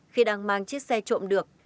khi đang mang chiếc xe trộm được